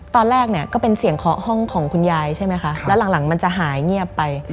ตอนแรกเนี่ยก็เป็นเสียงเคาะห้องของคุณยายใช่ไหมคะแล้วหลังมันจะหายเงียบไป